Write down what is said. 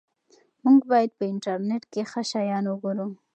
موږ باید په انټرنیټ کې ښه شیان وګورو.